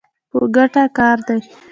په ګټه کار دی.